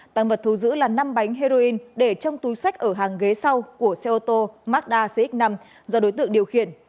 tăng vật thu giữ là năm bánh heroin để trong túi sách ở hàng ghế sau của xe ô tô mazda cx năm do đối tượng điều khiển